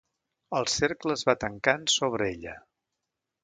El cercle es va tancant sobre ella.